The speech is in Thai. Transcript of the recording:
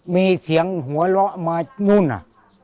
มีเสียงหัวเราะมานู่นน่ะ